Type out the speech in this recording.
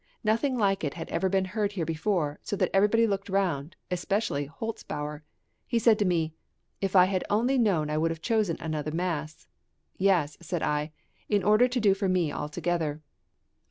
Nothing like it had ever been heard here before, so that everybody looked round, especially Holzbauer. He {MANNHEIM.} (386) said to me, "If I had only known I would have chosen another mass." "Yes," said I, "in order to do for me altogether."